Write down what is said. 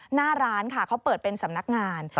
หน้าร้านค่ะเขาเปิดเป็นสำนักงาน